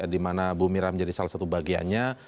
dimana bu mira menjadi salah satu bagiannya